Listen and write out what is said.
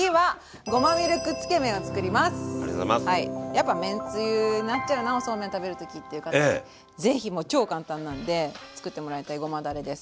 やっぱめんつゆになっちゃうなおそうめん食べる時っていう方はね是非もう超簡単なんでつくってもらいたいごまだれです。